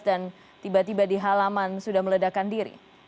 dan tiba tiba di halaman sudah meledakan diri